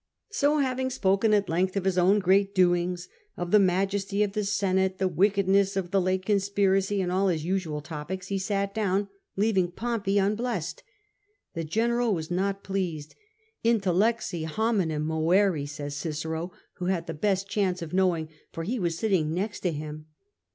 ^ So having spoken at length of his own great doings, of the majesty of the Senate, the wickedness of the late conspiracy, and all his usual topics, he sat down, leaving Pompey unblessed. The general was not pleased: ''intellexi hominem moveri" says Cicero, who had the best chance of knowing, for he was sitting next to him.